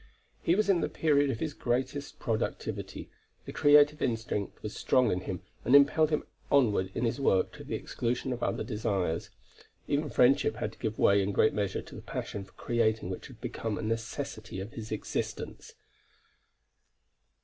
He was in the period of his greatest productivity; the creative instinct was strong in him and impelled him onward in his work to the exclusion of other desires. Even friendship had to give way in great measure to the passion for creating which had become a necessity of his existence.